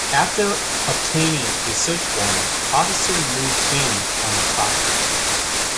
After obtaining a search warrant, officers moved in on the property.